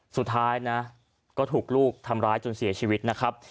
สุดท้ายนะก็ถูกลูกทำร้ายจนเสียชีวิตนะครับ